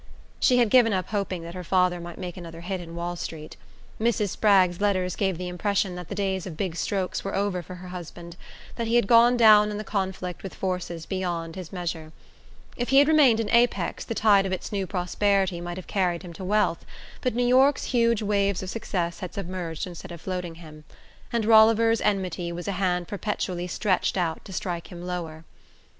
She had given up hoping that her father might make another hit in Wall Street. Mrs. Spragg's letters gave the impression that the days of big strokes were over for her husband, that he had gone down in the conflict with forces beyond his measure. If he had remained in Apex the tide of its new prosperity might have carried him to wealth; but New York's huge waves of success had submerged instead of floating him, and Rolliver's enmity was a hand perpetually stretched out to strike him lower.